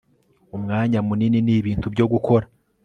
umwanya munini nibintu byo gukora